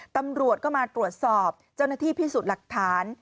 ตำรวจก็มาตรวจสอบเจ้าหน้าที่พิสูจน์หลักฐาน